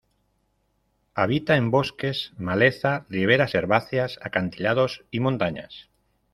Habita en bosques, maleza, riberas herbáceas, acantilados y montañas.